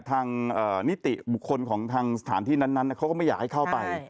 ทางนิติบุคคลของทางสถานที่นั้นเขาก็ไม่อยากให้เข้าไป